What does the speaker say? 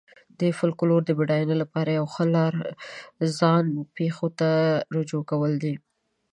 د فولکلور د بډاینې لپاره یوه ښه لار ځان پېښو ته رجوع کول دي.